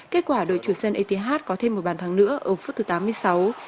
kết quả đội chủ sân ath có thêm một bàn thắng nữa ở phút thứ tám mươi sáu